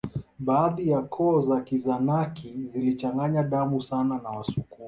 Baadhi ya koo za Kizanaki zilichanganya damu sana na Wasukuma